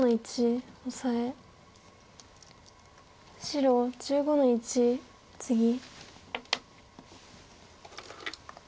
白１５の一ツギ。